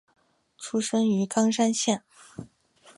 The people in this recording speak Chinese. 出身于冈山县。